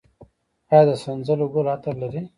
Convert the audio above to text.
آیا د سنځلو ګل عطر لري؟